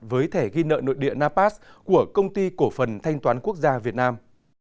với thẻ ghi nợ nội địa napas của công ty cổ phần thanh toán quốc gia việt nam